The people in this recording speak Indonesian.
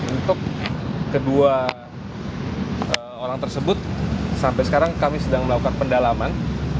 untuk kedua orang tersebut sampai sekarang kami sedang melakukan pendalaman